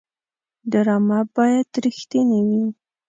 ډرامه باید رښتینې وي